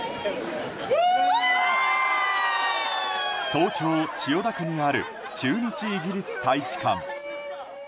東京・千代田区にある駐日イギリス大使館。